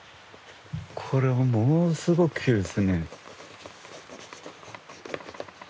これがものすごくきれいですね。